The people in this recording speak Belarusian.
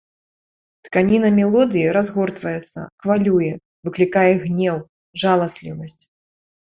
Тканіна мелодыі разгортваецца, хвалюе, выклікае гнеў, жаласлівасць.